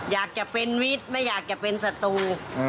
อยากจะเป็นวิทย์ไม่อยากจะเป็นศัตรู